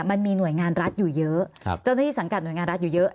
มันมีหน่วยงานรัฐอยู่เยอะเจ้าหน้าที่สังกัดหน่วยงานรัฐอยู่เยอะ